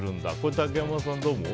竹山さん、どう思う？